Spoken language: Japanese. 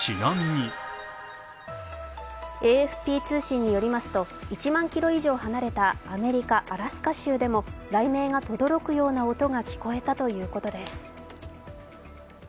ＡＦＰ通信によりますと、１万キロ以上離れたアメリカ・アラスカ州でも雷鳴がとどろくような音が聞こえたということです。